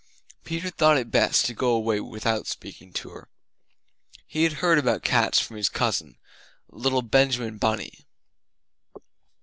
Peter thought it best to go away without speaking to her. He had heard about cats from his cousin, little Benjamin Bunny.